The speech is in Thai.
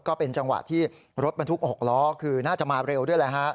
ก็เป็นจังหวะที่รถบรรทุก๖ล้อคือน่าจะมาเร็วด้วยแหละฮะ